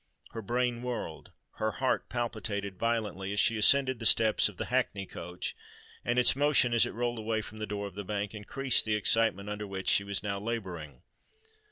Her brain whirled—her heart palpitated violently, as she ascended the steps of the hackney coach;—and its motion, as it rolled away from the door of the bank, increased the excitement under which she was now labouring.